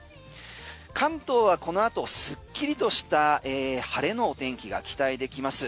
関東はこの後すっきりとした晴れの天気が期待できます。